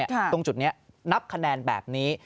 ตรงจุดนี้นับคะแนนแบบนี้